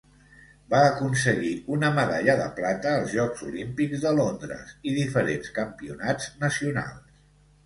Va aconseguir una medalla de plata als Jocs Olímpics de Londres i diferents campionats nacionals.